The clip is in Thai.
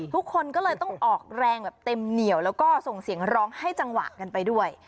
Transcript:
ทุกคนก็เลยต้องออกแรงแบบเต็มเหนียวแล้วก็ส่งเสียงร้องให้จังหวะกันไปด้วย